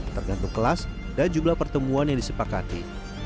tergantung kelas dan jumlah pertemuan yang disepakati